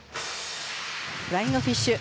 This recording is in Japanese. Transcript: フライングフィッシュ。